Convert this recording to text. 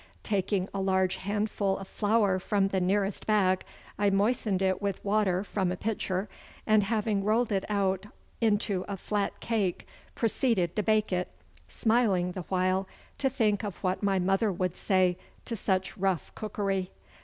Taking a large handful of flour from the nearest bag I moistened it with water from a pitcher, and having rolled it out into a flat cake, proceeded to bake it, smiling the while to think of what my mother would say to such rough cookery.